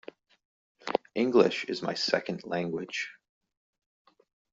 English is my second language.